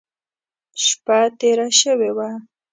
شپه تېره شوې وه.